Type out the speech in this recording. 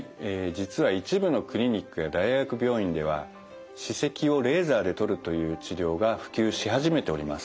実は一部のクリニックや大学病院では歯石をレーザーで取るという治療が普及し始めております。